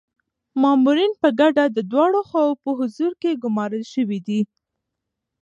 مامورین په ګډه د دواړو خواوو په حضور کي ګمارل شوي دي.